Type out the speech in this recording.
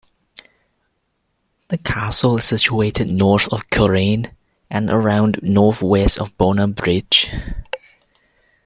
The castle is situated north of Culrain, and around north-west of Bonar Bridge.